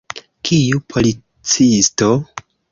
Kiu policisto?